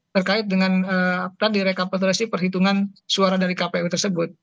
terkait dengan apa yang direkapasisi perhitungan suara dari kpu tersebut